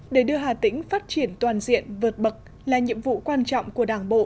để đưa hà tĩnh phát triển toàn diện vượt bậc là nhiệm vụ quan trọng của đảng bộ